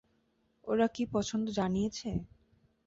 ওরা কি পছন্দ জানিয়েছে?